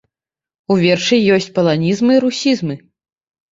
У вершы ёсць паланізмы і русізмы.